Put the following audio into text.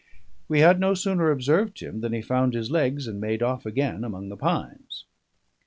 We had no sooner observed him than he found his legs and made off again among the pines.